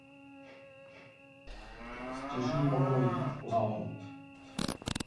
Stěží mohlo jít o shodu náhod.